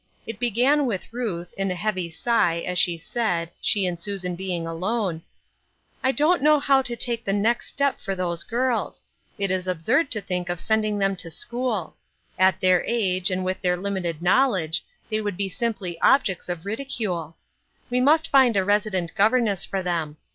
It began with Ruth, in a heavy sigh, as she said, she and Susan being alone :" 1 don't know how to take the next step for those girls. It is absurd to think of sending 890 Ruth IIrskine''8 Cosset. them to school. At their age, and with their limited knowledge, they would be simply objecta of ridicale. We must find a resident governess for them.